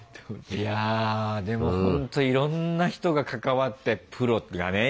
いやでもほんといろんな人が関わってプロがね